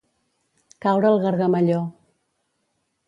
Caure el gargamelló.